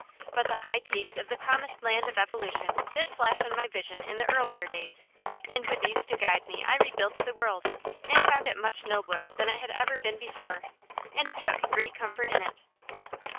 But the high peaks of the promised land of evolution did flash on my vision in the earlier days, and with these to guide me I rebuilt the world, and found it much nobler than it had ever been before, and took great comfort in it.